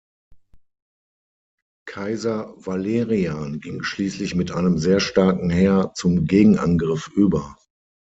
Kaiser Valerian ging schließlich mit einem sehr starken Heer zum Gegenangriff über.